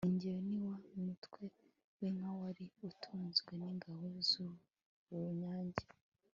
ingeyo ni wa mutwe w'inka wari utunzwe n'ingabo z'uruyange